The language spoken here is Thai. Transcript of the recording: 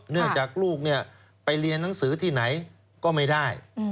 เนื่องจากลูกไปเรียนหนังสือที่ไหนก็ไม่ได้